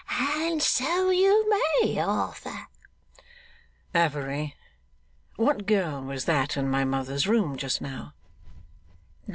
'And so you may, Arthur.' 'Affery, what girl was that in my mother's room just now?